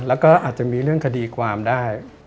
แล้วก็อาจจะมีเรื่องคดีความได้